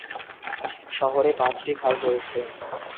শহরে পাঁচটি খাল রয়েছে।